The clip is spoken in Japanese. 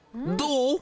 どう？